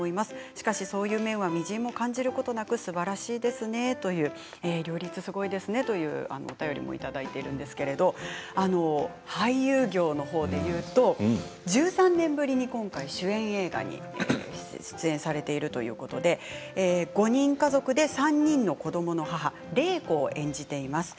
しかし、そういう面はみじんも感じることなくすばらしいですねと両立がすごいですねというお便りいただいているんですけれど俳優業の方でいうと１３年ぶりに今回主演映画に出演されているということで５人家族で３人の子どもの母・令子を演じています。